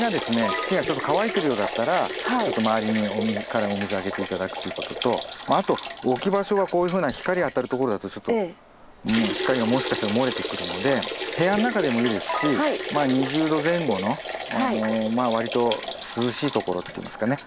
土がちょっと乾いてるようだったらちょっと周りからお水あげて頂くということとあと置き場所はこういうふうな光当たるところだとちょっと光がもしかしたら漏れてくるので部屋の中でもいいですしまあ２０℃前後のまあ割と涼しいところっていいますかね。